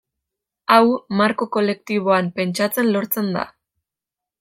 Hau, marko kolektiboan pentsatzen lortzen da.